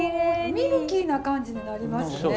ミルキーな感じになりますね。